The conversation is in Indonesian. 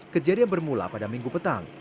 kejadian bermula pada minggu petang